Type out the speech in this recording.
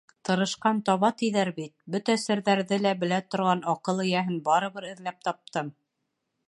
«Тырышҡан таба» тиҙәр бит, бөтә серҙәрҙе лә белә торған аҡыл эйәһен барыбер эҙләп таптым.